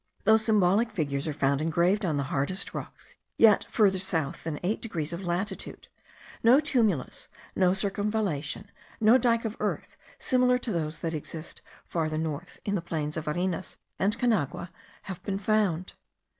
Though symbolical figures are found engraved on the hardest rocks, yet further south than eight degrees of latitude, no tumulus, no circumvallation, no dike of earth similar to those that exist farther north in the plains of Varinas and Canagua, has been found.